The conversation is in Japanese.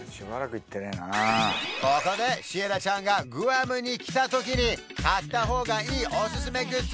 ここでシエラちゃんがグアムに来たときに買った方がいいおすすめグッズ